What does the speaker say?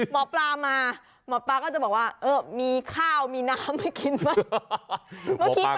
หมอปลามาหมอปลาก็จะบอกว่าเออมีข้าวมีน้ำให้กินไหม